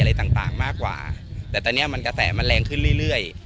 อะไรต่างมากกว่าแต่ตอนนี้มันกระแสมันแรงขึ้นเรื่อย